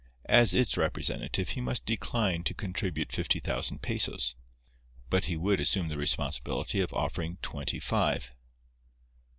As its representative he must decline to contribute fifty thousand pesos. But he would assume the responsibility of offering twenty five.